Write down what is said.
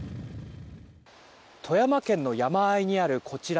富山県の山あいにあるこちら